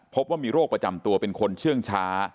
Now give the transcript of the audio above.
พบว่ามีโรคประจำตัวเป็นคนเชื่องช้า